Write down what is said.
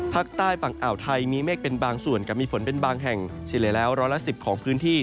ภาคใต้ฝั่งอ่าวไทยมีเมฆเป็นบางส่วนกับมีฝนเป็นบางแห่งเฉลี่ยแล้วร้อยละ๑๐ของพื้นที่